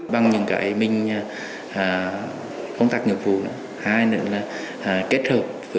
bằng những cái mình công tác nhập vụ